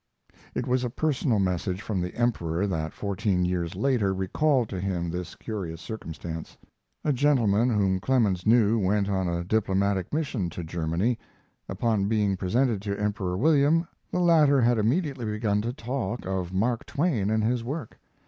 It was a personal message from the Emperor that fourteen years later recalled to him this curious circumstance. A gentleman whom Clemens knew went on a diplomatic mission to Germany. Upon being presented to Emperor William, the latter had immediately begun to talk of Mark Twain and his work.